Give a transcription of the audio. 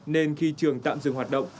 nên khi trường tạm dừng hoạt động